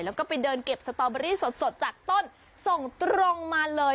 แล้วก็ไปเดินเก็บสตอเบอรี่สดจากต้นส่งตรงมาเลย